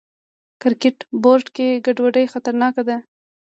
کرکټ بورډ کې ګډوډي خطرناکه ده.